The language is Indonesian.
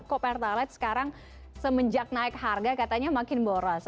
kok pertalite sekarang semenjak naik harga katanya makin boros